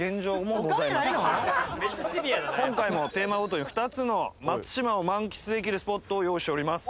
めっちゃシビアだね今回もテーマごとに２つの松島を満喫できるスポットを用意しております